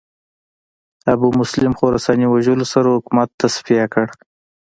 ابومسلم خراساني وژلو سره حکومت تصفیه کړ